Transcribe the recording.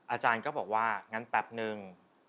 อาจารย์ก็บอกว่างั้นแป๊บนึง